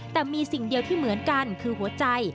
แต่มีสิ่งเดียวที่เหมือนกันคือหัวใจ